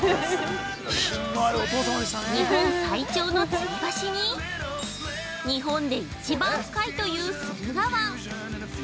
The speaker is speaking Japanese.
◆日本最長のつり橋に日本で一番深いという駿河湾。